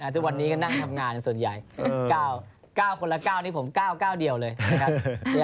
ถึงวันนี้ก็น่าทำงานกับส่วนใหญ่๙คนละ๙นี่ผม๙เก้าเดียวเลยครับ